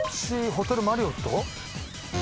８ホテルマリオット？